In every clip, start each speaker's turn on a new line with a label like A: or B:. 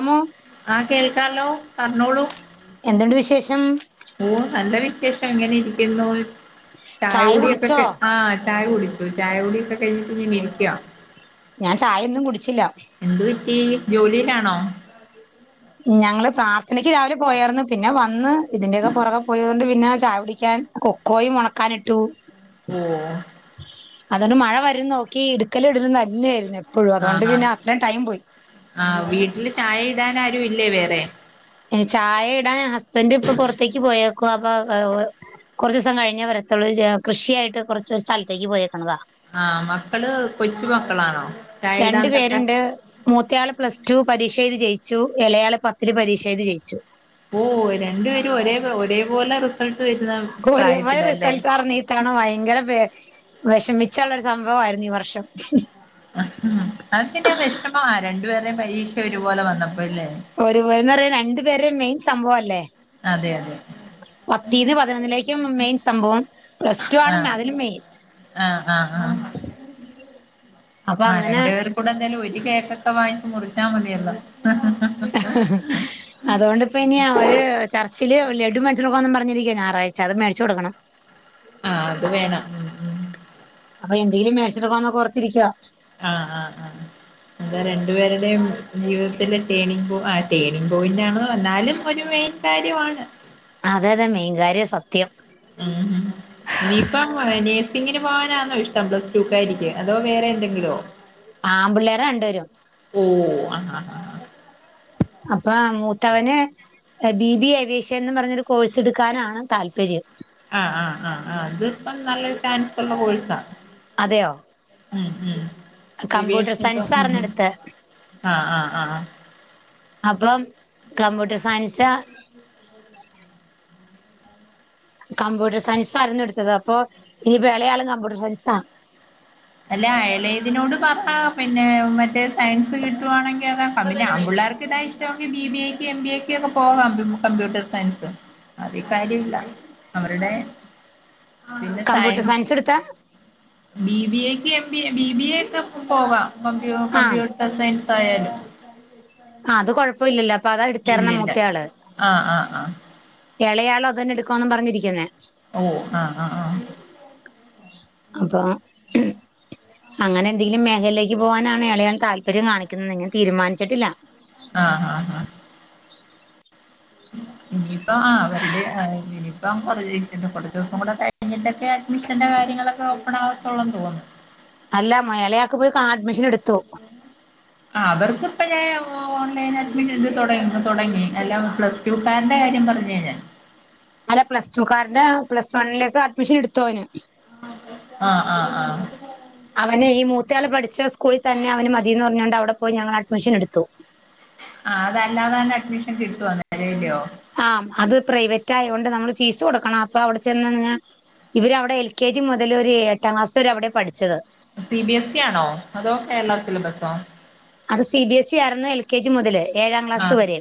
A: അമ്മോ
B: ആഹ്, കേൾക്കാല്ലോ? പറഞ്ഞോളൂ.
A: എന്തുണ്ട് വിശേഷം.
B: ഓ, നല്ല വിശേഷം. ഇങ്ങനെ ഇരിക്കുന്നു. ചായ കുടിയൊക്കെ ആഹ്. ചായ കുടിച്ചു. ചായ കുടി ഒക്കെ കഴിഞ്ഞിട്ട് ഇങ്ങനെ ഇരിക്ക്യ.
A: ഞാൻ ചായയൊന്നും കുടിച്ചില്ല.
B: എന്ത് പറ്റി, ജോലിയിലാണോ?
A: ഞങ്ങള് പ്രാർത്ഥനക്ക് രാവിലെ പോയായിരുന്നു. പിന്നെ വന്ന് ഇതിന്റെയൊക്കെ പുറകെ പോയി. ട്ട് പിന്നെ ചായ കുടിക്കാൻ കൊക്കോയും ഉണക്കൻ ഇട്ടു.
B: ഓ
A: അതുണ്ട് മഴ വരന്ന് നോക്കി ടക്കല് ഇടല്നല്ല ആയിരുന്നു എപ്പോഴും. അതുകൊണ്ട്
B: ആഹ് ആഹ്
A: പിന്നെ അത്രയും ടൈം പോയി.
B: ആഹ്, വീട്ടില് ചായ ഇടാൻ ആരും ഇല്ലേ വേറെ.
A: ചായ ഇടാൻ ഹസ്ബൻഡ് ഇപ്പൊ പൊറത്തേക്ക് പോയേക്കു വ. അപ്പൊ വ്വ വ. കുറച്ച് ദിസം കഴിഞ്ഞെ വരത്തുള്ളൂ. കൃഷിയായിട്ട് കുറച്ച് സ്ഥലത്തേക്ക് പോയേക്കണതാ.
B: ആഹ്, മക്കള് കൊച്ചു മക്കളാണോ? ചായ
A: രണ്ട്
B: ഇടാൻതൊക്കെ
A: പേരുണ്ട്. മൂത്തയാള് പ്ലസ് ടു പരീക്ഷ എഴുതി ജയിച്ചു. ഇളയാള് പത്തില് പരീക്ഷ എഴുതി ജയിച്ചു.
B: ഓ രണ്ടു പേരും ഒരേ ഒരേപോലെ റിസൾട്ട് വരുന്നതാണ്.
A: ഒരേ മയി റിസൽറ്റ് അറിഞ്. ഇക്കാണ ഭയങ്കര വെവിഷമിച്ചള്ള ഒര് സംഭവ ആയിര്ന്നു ഈ വർഷം.
B: അതന്തിന വിഷമ രണ്ടുപേര പരീക്ഷ ഒരുപോലെ വന്നപ്പോല്ലേ.
A: ഒരു പോലെ ന്ന് പറൻ രണ്ടു പേരെ മെയിൻ സംഭവം അല്ലേ?
B: അതെ അതെ
A: പത്തീന്ന് പതിനൊന്നിലേക്കും മെയിൻ സംഭവം. പ്ലസ് ടു ആണ് അതിലും മെയിൻ.
B: അഹ് അഹ് അഹ്
A: [inaudible] അപ്പൊ
B: ആഹ്,
A: അങ്ങനെ
B: രണ്ടു പേർ കൂടെ എന്തായാലും ഒരു കേക്കൊക്കെ വാങ്ങിച്ചച്ച് മുറിച്ചാ മതിയല്ലോ?
A: [inaudible] അതുകൊണ്ട് നിപ്പ ഇനി ഒരു ചർച്ചില് അത് കൊണ്ട് ഇപ്പം ഇനി അവര് ചർച്ല്‌ ലഡു മേടിച്ച് കൊടുക്കണംന്ന് പറഞ്ഞിരിക്ക ഞായറാഴ്ച അത് മേടിച്ച് കൊടുക്കണം. [unintelligible]
B: ആഹ് അത് വേണം. ഉം ഉം
A: അപ്പ എന്തേലും മേട്ച്ച്ട്ടൊക്കെ വന്നാ പൊർത്തിരിയ്ക്ക.
B: ആഹ് ആഹ് ആഹ്
A: [inaudible]
B: രണ്ടു പേരുടെയും ജീവിതത്തിലെ ടേണിംഗ് പോ, ആഹ് ടേണിങ് പോയിന്റാണ് ന്നാലും ഒരു മെയിൻ കാര്യമാണ്.
A: അതെതെ മെയ്ൻ കാര്യാ സത്യം.
B: ഊം ഹു ഹും. ഇനിയിപ്പം നേഴ്സിങ്ങിന് പോകാനാന്നോ ഇഷ്ടം പ്ലസ് ടുക്കാരിക്ക്, അതോ വേറെ എന്തെങ്കിലും?
A: ആമ്പിള്ളേരാ രണ്ട് പേരും.
B: ഉം [unintelligible]
A: അപ്പ മൂത്തവന് ബി ബി ഏവിയേഷ്യൻ ന്ന് പറഞ്ഞൊരു കോഴ്സ് എടുക്കാനാണ് താല്പര്യം.
B: ആഹ് ആഹ് ആഹ് ആഹ്, അത്പ്പം നല്ല ചാൻസ്ള്ള കോഴ്സാ.
A: അതെയോ?
B: മ് മ്
A: കമ്പ്യൂട്ടർ
B: ഏവിയേഷൻ പ്പം
A: സയൻസ്
B: മ്
A: ആർന്നു
B: മ്
A: എടുത്തെ
B: ആഹ് ആഹ് ആഹ്.
A: അപ്പം കമ്പ്യൂട്ടർ സയൻസാ കമ്പ്യൂട്ടർ സയൻസായിരുന്നു ഇട്ത്തത്. അപ്പോ ഇനിപ്പോ എളെയാളും കമ്പ്യൂട്ടർ സയൻസാ.
B: എല്ലാ എളേതിനോട് പപ്പാ പിന്നേ മറ്റേ സയൻസ് കിട്ടുവാണെങ്കി അതാ, ആ പിന്നെ ആമ്പിള്ളാർക്ക് ഇതാ ഇഷ് ട്ടോങ്കി ബി ബി എ ക്ക് എം ബി ഏ ക്ക് ഒക്കെ പോകാം കമ്പ്യൂട്ടർ സയൻസ് അതീ കാര്യമില്ല, അവരുടേ
A: കമ്പ്യൂട്ടർ സയൻസ്ട്ത്താ
B: ബി ബി ഏക്ക് M B A, B B A ക്കെ പോകാം കമ്പ്യൂ
A: ആഹ്
B: കമ്പ്യൂട്ടർ സയൻസായാലും.
A: ആഹ് അത് കൊഴപ്പ ഇല്ലല്ലോ. അപ്പൊ അതാ എട്ത്തായിര്ന്നെ
B: ഇല്ലില്ല
A: മൂത്തെ ആള്.
B: ആഹ് ആഹ് ആഹ്.
A: എളയാളും അതന്നെ എടുക്കുവാന്നും പറഞ്ഞ് ഇരിക്കുന്നേ.
B: ഓഹ് ആഹ് ആഹ് ആഹ്
A: അപ്പോ അങ്ങനെന്തെങ്കിലും മേഖലേയ്ക്ക് പോവാനാണ് എളയാൾ താല്പര്യം കാണിക്കുന്നെ. ഇനിയൊന്നും തീരുമാനിച്ചിട്ടില്ല.
B: ആഹ് ആഹ് ആഹ് ഇനിയിപ്പം ആഹ് അവരുടെ ഇനിയിപ്പം [unintelligible] കുറച്ചൂസം കൂടെ കഴിഞ്ഞിട്ട് അഡ്മിഷന്റെ കാര്യങ്ങളൊക്കെ ഓപ്പണാവത്തൊള്ളൊന്ന് തോന്ന്ന്നു.
A: അല്ല മ എളേ ആക്ക് പോയി കാ അഡ്മിഷന്ട്ത്തു.
B: ആഹ് അവർക്ക്പ്പ ഞാൻ ഓ ഓൺലൈൻ അഡ്മിഷന്ട്ത്ത് തൊടങ് തൊടങ്ങി എല്ലാം പ്ലസ് ട്ടാന്റെ കാര്യം പറഞ്ഞേ ഞാൻ
A: അല്ല പ്ലസ്ടുക്കാര്ടെ പ്ലസ് വണ്ണിലേക്ക് അഡ്മിഷന്ട്ത്തൂ അവന്
B: ആഹ് ആഹ് ആഹ്
A: അവന് ഈ മൂത്തയാൾ പഠിച്ച സ്കൂളിൽ തന്നെ അവന് മതീന്ന് പറ്ഞ്ഞോണ്ട് അവിടെ പോയി ഞങ്ങൾ അഡ്മിഷന്ട്ത്തു.
B: ആഹ് അതല്ലാതവൻ അഡ്മിഷൻ കിട്ടോ [unintelligible]
A: ആഹ് അത് പ്രൈവറ്റായോണ്ട് നമ്മള് ഫീസ് കൊടുക്കണം. അപ്പൊ അവിടെ ച്ചെന്ന് [unintelligible] ഇവരവിടെ എൽ കെ ജി മുതൽ ഒരു എട്ടാം ക്ലാസ് വരെ അവിടെ പഠിച്ചത്.
B: സി ബി എസ് ഇ ആണോ? അതോ കേരളാ സിലബസോ?
A: അത് സി ബി എസ് ഇ ആയിരുന്ന് കേ ജി മുതല് ഏഴാം ക്ലാസ്
B: ആഹ്
A: വരേ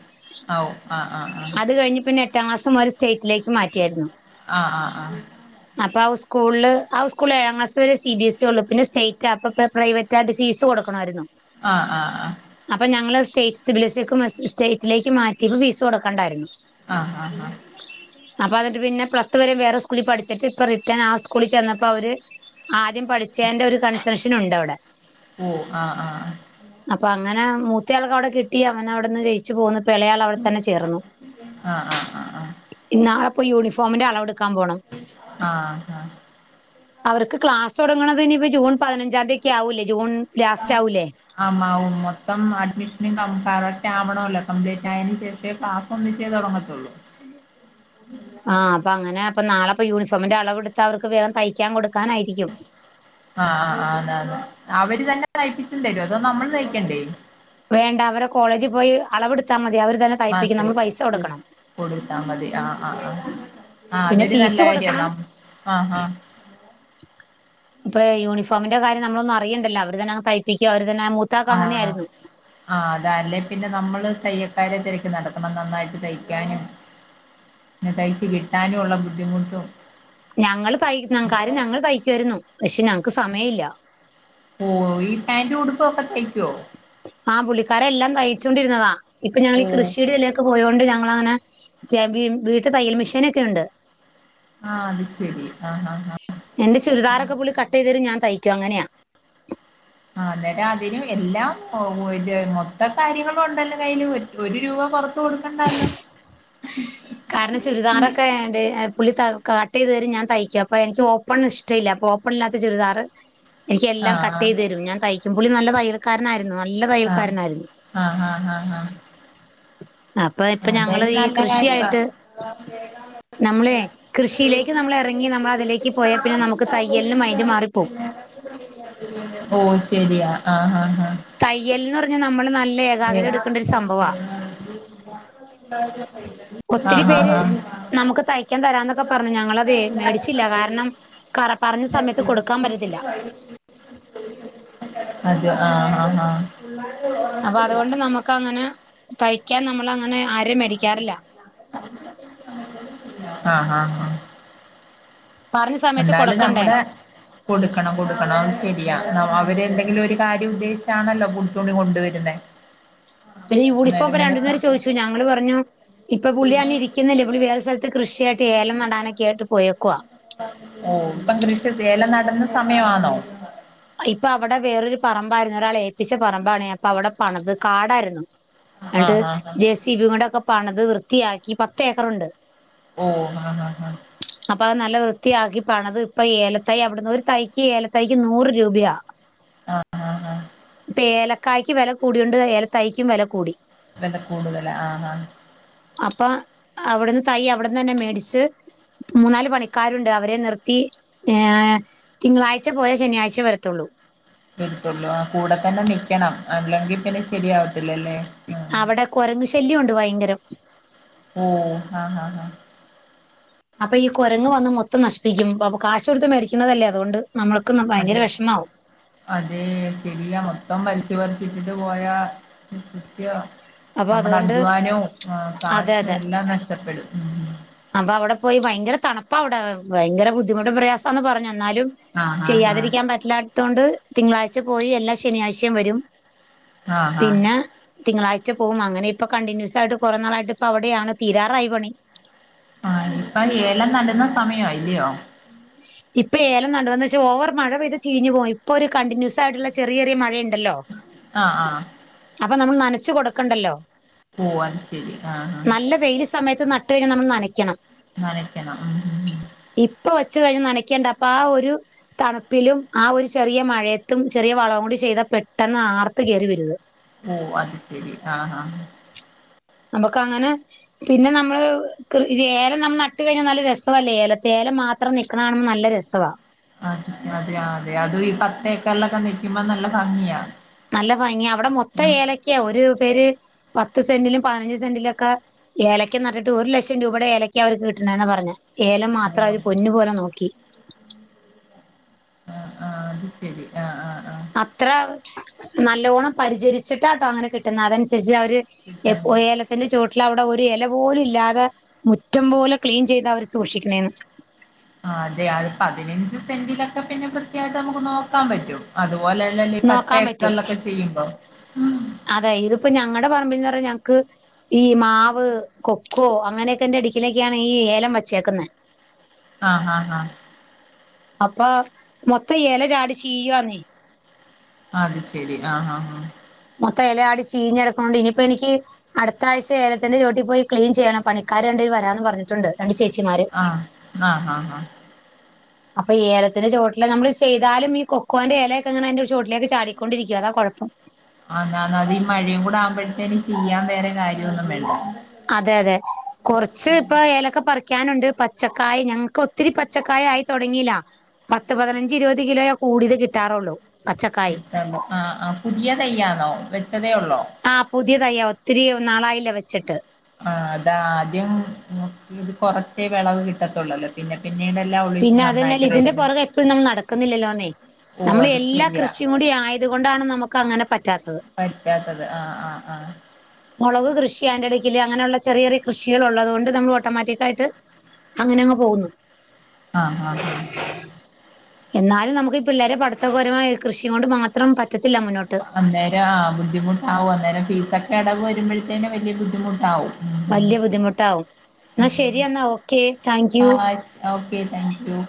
B: ആവു ആഹ് ആഹ്
A: അത് കഴിഞ്ഞാ പിന്നെ ട്ടാംക്ലാസ് മുതല് സ്റ്റേറ്റിലേക്ക് മാറ്റിയായിരുന്നു.
B: ആഹ് ആഹ് ആഹ്
A: അപ്പൊ ആ സ്കൂള്ൽ, ആ സ്കൂൾ ഏഴാംക്ലസ് വരെ സി ബി എസ്സി ഉള്ളു പിന്നെ സ്റ്റേറ്റ് അപ്പോ പ്രൈവറ്റ് റ്റാക്കി ഫീസ് കൊടുക്കണായിരുന്നു
B: ആഹ് ആഹ് ആഹ്
A: അപ്പൊ ഞങ്ങള് സ്റ്റേറ്റ് സിബിലിസി ക്കെ മസ്സ് സ്റ്റേറ്റിലേക്ക് മാറ്റിയപ്പോ ഫീസ് കൊടുക്കണ്ടായിരുന്നു
B: ആഹ് ആഹ് ആഹ്
A: അപ്പൊ അത് യ്നിട്ട് പിന്നെ പത്ത് വരെ വേറെ സ്കൂളിൽ പഠിച്ചിട്ട് ഇപ്പൊ റിട്ടേൺ ആ സ്കൂളിൽ ചെന്നപ്പോ അവര് ആദ്യം പഠിച്ചേന്റെ ഒരു കൺസെഷൻ ഉണ്ട് അവിടെ
B: ഉ ആഹ് ആഹ്
A: അപ്പൊ അങ്ങനെ മൂത്തയാൾക്ക് അവിടെ കിട്ടിയ അങ്ങനെഅവിടെന്ന് ജയി ച്ച് പോന്നു ഇപ്പൊ എളയാൾവിടെ തന്നെ ചേർന്നു
B: ആഹ് ആഹ് ആഹ്
A: ഇനി നാളെ ഇപ്പോ യൂണിഫോമിന്റെ അളവെടുക്കൻ പോണം
B: ആഹ് ആഹ്
A: അവർക്ക് ക്ലാസ് തൊടങ്ങണത് ഇനിപ്പോ ജൂൺ പതിനഞ്ചാം തിയതിയൊക്കെ ആകൂല്ലേ ജൂൺ ലാസ്റ്റ് ആവൂലേ
B: ആവും ആവും മൊത്തം അഡ്മിഷനും കറക്റ്റ് ആവണല്ലോ കംപ്ലീറ്റ് ആയിന് ശേഷം പക്ഷേ ക്ലാസ് ഒന്നിച്ചെ തൊടങ്ങത്തൊള്ളൂ
A: ആഹ് അപ്പൊ അങ്ങനെ അപ്പോ നാളെപ്പോ യൂണിഫോമിന്റെ അളവ്ടുത്ത് അവർക്ക് വേഗം തൈക്കാൻ കൊടുക്കാനായിരിക്കും
B: ആഹ് ആഹ് ആഹ് അതെ അതെ അവര് തന്നെ തയ്പ്പിച്ച്തരോ അതോ നമ്മള് തൈകേണ്ടേ
A: വേണ്ട അവരെ കോളേജിൽ പോയി അളവെടുത്താൽ മതി അവര് തന്നെ തയ്പ്പിക്കും
B: മാത്രേ
A: നമ്മള് പൈസ
B: ഉം
A: കൊടുക്കണം
B: കൊടുത്താ മതി ആഹ് ആഹ് ആഹ് ആ
A: പിന്നെ
B: അതൊരു
A: ഫീസ്
B: നല്ല ഐഡിയ
A: കൊടുക്കണം
B: ആണല്ലോ ആഹ് ആഹ്
A: ഇപ്പൊ യൂണിഫോമിന്റെ കാര്യം നമ്മളൊന്നും അറിയണ്ടല്ല അവര് തന്നെ അങ്ങ് തയ്പ്പിക്കും അവർ തന്നെ മൂത്താക്ക്‌
B: ആഹ്
A: അങ്ങനെയായിരുന്നു
B: ആഹ് അതല്ലേ പിന്നെ നമ്മള് തയ്യക്കാരെ തിരക്ക് നടക്കണം നന്നായിട്ട് തയ്ക്കാനും പിന്നെ തയ്ച്ച് കിട്ടാനുള്ള ബുദ്ധിമുട്ടും
A: ഞങ്ങള് തൈ കാര്യം ഞങ്ങള് തയ്കായിരുന്നു പക്ഷെ ഞങ്ങക്ക് സമയം ഇല്ല
B: ഓ ഈ പാന്റ് ഉടുപ്പൊക്കെ തയ്ക്കോ
A: ആഹ് പുള്ളിക്കാരന് എല്ലാം തയ്ച്ചോണ്ടിരുന്നതാ ഇപ്പൊ ഞാങ്ങളി
B: ഉം
A: നകൃഷിയുടെ എ ക്ക്‌ പോയോണ്ട് ഞങ്ങളൾങ്ങനെ [unintelligible] വീട്ടിൽ തയ്യൽ മെഷീനൊക്കെ ഉണ്ട്
B: ആഹ് അത് ശരി ആഹ് ആഹ്
A: എന്റെ ചുരിദറൊക്കെ പുള്ളി കട്ട് ചെയ്തരും ഞാൻ തയ്ക്കും അനെയാ
B: ആ അന്നേരം അതിനും എല്ലാം ഒ മൊത്ത കാര്യങ്ങളും ഉണ്ടല്ലോ കയ്ൽ ഒരു രൂപറ ത്ത് കൊടുക്കണ്ടാലോ
A: കാരണം ചുരിദാറൊക്കെആയോണ്ട് പുള്ളിത്ത കട്ട് ചെയ്ത് തരും ഞാൻ തയ്ക്കും അപ്പൊ എനിക്ക് ഓപ്പൺ ഇഷ്ടല്ല അപ്പോ ഓപ്പണ ഇല്ലാത്ത ചുരിദാറ് എനിക്ക് എല്ലാം
B: ആഹ്
A: കട്ട്
B: ആഹ്
A: ചെയ്തു തരും ഞാൻ തയ്ക്കു പുളി നല്ല തയ്യൽക്കാരനായിരുന്നു നല്ല
B: ആഹ്
A: തയ്യൽക്കാരനായിരുന്നു
B: ആഹ് ആഹ് ആഹ് ആഹ്
A: അപ്പൊ ഇപ്പ ഞങ്ങള്
B: അതായാലും
A: ഈ
B: നല്ല കാര്യവാ
A: കൃഷിയായിട്ട് നമ്മളെ കൃഷിയിലേക്ക് നമ്മൾ എറങ്ങി നമ്മൾ അതിലേക്ക് പോയാ പിന്നെ നമുക്ക് തയ്യലിനും മൈൻഡ് മാറി പോകും.
B: ഓ ശരിയാ ആഹ് ആഹ് ആഹ്
A: തയ്യൽന്ന് പറഞ്ഞാ നമ്മള് നല്ല ഏകാഗ്രത എടുക്കേണ്ട ഒരു സംഭവാ
B: ഏഹ്
A: ഒത്തിരി പേര് നമുക്ക് തയ്ക്കാൻ തരാന്നൊക്കെ പറഞ്ഞു ഞങ്ങളതേ മേടിച്ചില്ല കാരണം ക പറഞ്ഞ സമയത്ത് കൊടുക്കാൻ പറ്റത്തില്ല
B: അതെ ആഹ് ആഹ് ആഹ്
A: അപ്പൊ അതുകൊണ്ട് നമുക്ക് അങ്ങനെ തയ്ക്കാൻ നമ്മള് അങ്ങനെ ആരേ മേടിക്കാറില്ല
B: ആഹ് ആഹ് ആഹ്
A: പറഞ്ഞ സമയത്ത്
B: എന്നാലും
A: കൊടുക്കണ്ടേ
B: നമ്മുടെ കൊട്ക്കണം കൊട്ക്കണം അത് ശരിയാ അവ അവര് എന്തെങ്കിലും ഒരു കാര്യം ഉദ്ദേശിച്ചാണല്ലോ പുത്തുണി കൊണ്ടുവരുന്നെ
A: പിന്നെ യൂണിഫോം ഇപ്പൊ രണ്ട് പേര് ചോയിച്ചു ഞങ്ങള് പറഞ്ഞു ഇപ്പൊ പുളിയാന് ഇരി ക്കുന്നില്ല ഇവള് വേറെ സ്ഥലത്ത് കൃഷിയായിട്ട് ഏലം നടാനൊക്കെ ആയി്ട്ട് പോയേക്കുവാ
B: ഓ ഇപ്പം കൃഷി ഏലം നടുന്ന സമയവാന്നൊ
A: ഇപ്പ അവടെ വേറൊരു പറമ്പായിരുന്നു ഒരാള് ഏൽപ്പിച്ച പറമ്പാണ് അപ്പ അവടെ പണത് കാടായിരുന്നു. എൻട്ട്
B: ആഹ് ആഹ് ആഹ്
A: ജെ സിബി കൊണ്ട് ഒക്ക പണത് വൃത്തിയാക്കി പത്ത് ഏക്കറുണ്ട്
B: ഓ ആ ഹാ ഹാ
A: അപ്പൊ അത് നല്ല വൃത്തിയാക്കി പണത് ഇപ്പൊ ഏല തൈ അവടുന്ന് ഒരു തൈക്ക് ഏലതൈക്ക് നൂറ് രൂപയാ
B: ആ ഹാ ഹാ
A: ഇപ്പൊ ഏലക്കായ്ക്ക് വെല കൂടിയോണ്ട് ഏല തൈക്കും വെല കൂടി
B: വെല കൂടുതലാ ആ ഹാ
A: അപ്പാ അവ്ട്ന്ന് തൈ അവ്ട്ന്നന്നെ മേടിച്ച് മൂന്നാല് പണിക്കാരുണ്ട് അവരെ നിർത്തി ഏ തിങ്കളാഴ്ച പോയാ ശനിയാഴ്ച വരത്തുള്ളൂ.
B: വരുത്തുള്ളൂ ആ കൂടെ തന്നെ നിക്കണം അല്ലെങ്കി പിന്നെ ശരിയാവത്തില്ലല്ലേ ആഹ്
A: അവടെ കൊരങ് ശല്യം ഉണ്ട് ഭയങ്കരം.
B: ഏ ആ ഹ ഹ. ഹ
A: അപ്പ ഈ കൊരങ്ങ് വന്ന് മൊത്തം നശിപ്പിക്കും ബപ്പൊ കാശൊട്ത്ത് മേടിക്കുന്നതല്ലേ അതുകൊണ്ട് നമ്മൾക്ക്ന്ന് ഭയങ്കര
B: അതെ
A: വെ്ഷ്മാവും.
B: അതെ ശരിയാ മൊത്തം വൽച് പർച്ചിട്ടിട്ട് പോയ നിത്യ
A: അപ്പൊ
B: നമ്മടെ
A: അതുകൊണ്ട്
B: അധ്വാനവും
A: അതെ
B: കാശും എല്ലാ നഷ്ടപ്പെടും. ഉം
A: അപ്പ അവടെ പോയി ഭയങ്കര തണുപ്പാ അവ്ടെ ഭയങ്കര ബുദ്ധിമുട്ടും പ്രയാസാന്ന പറഞ്ഞെ എന്നാലും
B: ആഹ് ആഹ് ആഹ്
A: ചെയ്യാതിരിക്ക്യാം പറ്റില്ലാത്തോണ്ട് തിങ്കളാഴ്ച പോയി എല്ലാ ശനിയാഴ്ചേം വരും.
B: ആഹ് ആഹ്
A: പിന്നെ തിങ്കളാഴ്ച പോവും അങ്ങെനെയിപ്പൊ കണ്ടിന്യൂസായിട്ട് കോറെ നാളായിട്ട് ഇപ്പ അവടെയാണ് തീരാറായി പണി.
B: ആ ഇപ്പ ഏലം നടുന്ന സമയായി ല്ലിയോ
A: ഇപ്പ ഏലം നടുവാന്നച്ച ഓവർ മഴ പെയ്ത് ചീഞ്ഞ് പോയി. ഇപ്പൊരു കണ്ടിന്യൂസായിട്ടുള്ള ചെറിയറിയെ മഴയുണ്ടല്ലോ.
B: ആ ആ
A: അപ്പം നമ്മള് നനച്ച് കൊടുക്കണ്ടല്ലോ.
B: ഓ അത് ശരി ആ ആ
A: നല്ല വെയിൽ സമയത്ത് നട്ട് കഴിഞ്ഞാ നമ്മള് നനക്ക്യണം.
B: നനക്കണം. ഉം ഉം
A: ഇപ്പൊ വെച്ച് കഴിഞ്ഞ നനക്ക്യേണ്ട. അപ്പ ആ ഒരു തണുപ്പിലും ആ ഒരു ചെറിയ മഴയത്തും ചെറിയ വളം കൂടി ചെയ്താ പെട്ടെന്ന് ആർത്ത് കയറി വരുത്.
B: ഓ അത് ശരി ആ ഹാ
A: നമുക്ക് അങ്ങനെ പിന്നെ നമ്മള് ക്ക് ഇത് ഏലം നമ്മൾ നട്ട് കഴിഞ്ഞാ നല്ല രസോല്ലേ. ഏല തേലം മാ ത്രം നിക്ക്ണ കാണുമ്പ നല്ല രസ്സവാ
B: അത് അതെ ആ അതെ അതു ഒര് ഈ പത്തേക്കർലൊക്ക നിക്കുമ്പം നല്ല ഭംഗിയാ.
A: നല്ല ഭംഗിയാ അവടെ മൊത്തം
B: ഉം
A: ഏലക്കെയാ. ഒരു പേര് പത്ത് സെന്റിലും പതിനഞ്ച് സെന്റിലൊക്ക ഏലക്ക നട്ടിട്ട് ഒരു ലക്ഷം രൂപയുടെ ഏലക്ക അവർക്ക് കിട്ട്ണ്ടെന്നാ പറഞ്ഞെ. ഏലം മാത്രം
B: ഓ
A: അവര് പൊന്നു പോലെ നോക്കി.
B: ആ ആ അത് ശരി ആ ആ ആ
A: അത്ര നല്ലോണം പരിചരിച്ചിട്ടാട്ടോ അങ്ങനെ കിട്ടുന്നെ. അതൻസര്ച്ച് അവര്
B: കിട്ടന്നെ
A: എപ്പോയേല ക്കന്റെ ചോട്ടിലവിടെ ഒരു എല പോലു ഇല്ലാതെ മുറ്റം പോലെ ക്ലീൻ ചെയ്താവര് സൂക്ഷിക്കണേന്ന്.
B: ആഹ് അതെ അത് പതിനഞ്ച് സെന്റിലൊക്കെ പിന്നെ വൃത്ത്യായിട്ട് നമ്മക്ക് നോക്കാൻ പറ്റും. അതുപോലല്ലല്ലോ ഈ
A: നോക്കാൻ പറ്റും
B: പത്തേക്കർലൊക്കെ ചെയ്യുമ്പോ. ഉം
A: അതെ ഇത് പ്പൊ ഞങ്ങടെ പറമ്പിൽ ന്നറ ഞങ്ങ്ക്ക് ഈ മാവ്, കൊക്കോ അങ്ങനെയൊക്കെൻ്റെടുക്കിലേക്കാണ് ഈ ഏലം വച്ചേക്കുന്നേ.
B: ആഹ് ആഹ് ആഹ്
A: അപ്പൊ മൊത്ത ഈ എല ചാടി ചീയ്യ്വാന്നെ.
B: അത് ശെരി ആഹ് ആഹ് ആഹ്
A: മൊത്ത എലയാടി ച്ചീഞ്ഞടുക്കണോണ്ടിനിയിപ്പെ നിക്ക് അടുത്താഴ്ച ഏലത്തിന്റെ ചോട്ടി പോയി ക്ലീൻ ചെയ്യണം. പണിക്കാര് രണ്ടേര് വരാന്ന് പറഞ്ഞിട്ടുണ്ട് രണ്ട് ചേച്ചിമാര്.
B: ആഹ് ആഹ് ആഹ് ആഹ്
A: അപ്പ ഈ ഏലത്തിന്റെ ചോട്ടില് നമ്മള് ചെയ്താലും ഈ കൊക്കോന്റെ എലയൊക്കങ്ങനയിന്റെ ചോട്ടിലേക്ക് ചാടിക്കൊണ്ടിരിക്കും. അതാ കൊഴപ്പം.
B: ആന്ന നാത് ഈ മഴയും കൂടെ ആവുമ്പഴ്ത്തേന് ചിയ്യാം വേറെ കാര്യൊന്നും വേണ്ട.
A: അതെ അതെ കൊർച്ച് പ്പൊ ഏലക്ക പറിക്കാനുണ്ട് പച്ചക്കായി ഞങ്ങക്കൊത്തിരി പച്ചക്കായായി തൊടങ്ങീല. പത്ത് പതിനഞ്ച് ഇരുപത് കിലോയോ കൂടിയത് കിട്ടാറുള്ളൂ പച്ചക്കായി
B: [unintelligible] ആഹ് ആഹ് പുതിയ തയ്യാണോ വെച്ചതേ ഉള്ളോ?
A: ആഹ് പുതിയ തയ്യ ഒത്തിരി നാളായില്ല വെച്ചിട്ട്.
B: ആഹ്‌ അതാ ആദ്യം ഉം ഇത് കൊറച്ചേ വിളവ് കിട്ടത്തുള്ളല്ലോ പിന്നെ പിന്നീടെല്ലാ ഉ
A: പിന്നതെന്നല്ല ഇതിന്റെ പൊറകെ എപ്പഴും നമ്മൾ നടക്കുന്നില്ലല്ലോന്നേ
B: ഓ
A: നമ്മള്
B: അത്
A: എല്ലാ
B: ശരിയാ
A: കൃഷിയും കൂടി ആയത് കൊണ്ടാണ് നമുക്ക ങ്ങനെ പറ്റാത്തത്
B: പറ്റാത്തത് ആഹ് ആഹ് ആഹ്
A: മൊളവ് കൃഷി അയിന്റെടക്കില് അങ്ങനെയുള്ള ചെറിയ ചെറിയ കൃഷികളുള്ളതുകൊണ്ട് നമ്മൾ ഓട്ടോമാറ്റിക്കായിട്ട് അങ്ങനെ അങ്ങ് പോകുന്നു
B: അ അ ആഹ്
A: എന്നാലും നമുക്കീ പിള്ളേരെ പഠിത്തൊക്കൊരു [unintelligible] കൃഷി കൊണ്ട് മാത്രം പറ്റത്തില്ല മുന്നോ
B: അന്നേരം ആ ബുദ്ധിമുട്ടാവു അന്നേരം ഫീസൊക്കെ അടവ് വരുമ്പഴത്തേനു വല്യ ബുദ്ധിമുട്ടാവു
A: വല്ല്യ ബുദ്ധിമുട്ടാവും. ന്നാ
B: ഉം
A: ശരിയെന്നാ ഓക്കേ താങ്ക് യു
B: ആഹ് ഓക്കെ താങ്ക് യൂ